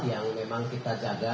yang memang kita jaga